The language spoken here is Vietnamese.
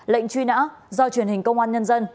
lệnh truy nã do truyền hình công an nhân dân